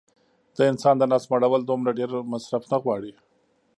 د انسان د نس مړول دومره ډېر مصرف نه غواړي